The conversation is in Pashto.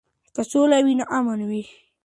که سوله وي نو امان وي.